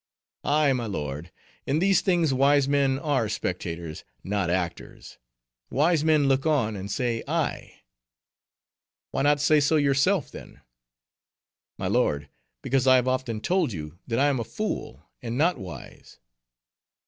"Ay, my lord, in these things wise men are spectators, not actors; wise men look on, and say 'ay.'" "Why not say so yourself, then?" "My lord, because I have often told you, that I am a fool, and not wise."